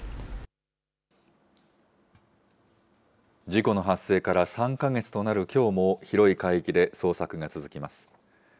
事故の発生から３か月となるきょうも、広い海域で捜索が続きます。